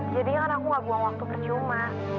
jadinya kan aku gak buang waktu percuma